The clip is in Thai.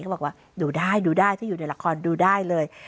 ก็บอกว่าดูได้ดูได้ถ้าอยู่ในละครดูได้เลย